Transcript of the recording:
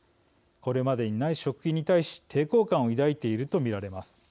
これまでにない食品に対し抵抗感を抱いていると見られます。